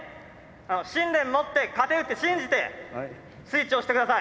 信念持って勝てるって信じてスイッチ押してください！